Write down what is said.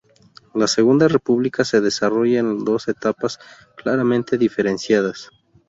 La Segunda República se desarrolla en dos etapas claramente diferenciadas.